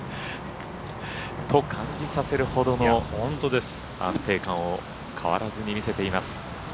と感じさせるほどの安定感を変わらずに見せています。